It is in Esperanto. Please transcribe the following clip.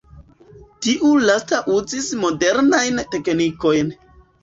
Tiu lasta uzis modernajn teknikojn.